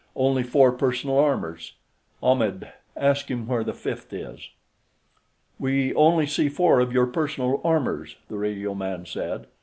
"Only four personal armors; Ahmed, ask him where the fifth is." "We only see four of your personal armors," the radioman said.